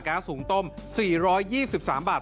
สูงต้ม๔๒๓บาท